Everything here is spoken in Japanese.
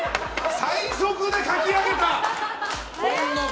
最速で書き上げた。